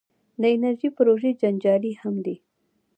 د انرژۍ پروژې جنجالي هم دي.